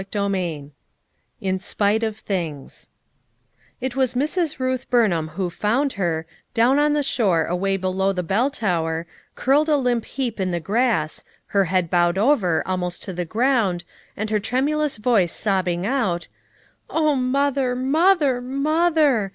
CHAPTEE VI "IH SPITE OF THINGS" It was Mrs. Buth Burnham who found her, down on the shore away below the bell tower, curled a limp heap in the grass, her head bowed over almost to the ground, and her tremulous voice sobbing out: "Oh, mother, mother, mother!